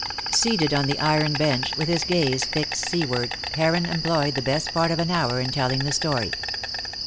Seated on the iron bench with his gaze fixed seaward, Heron employed the best part of an hour in telling the story.